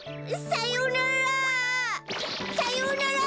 さようなら！